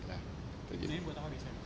saya sudah mulai beli